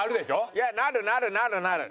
いやなるなるなるなる。